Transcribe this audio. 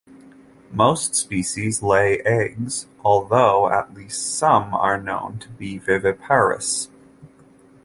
Most species lay eggs, although at least some are known to be viviparous.